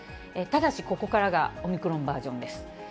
ただしここからがオミクロンバージョンです。